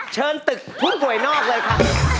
เชิญตึกผู้ป่วยนอกเลยครับ